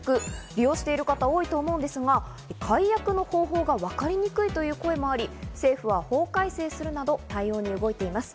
利用してる方、多いと思いますが、解約の方法がわかりにくいという声もあり、政府は法改正するなど対応に動いています。